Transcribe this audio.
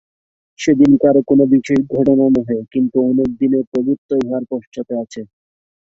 সেদিনকার কোনো বিশেষ ঘটনা নহে, কিন্তু অনেক দিনের প্রভুত্ব ইহার পশ্চাতে আছে।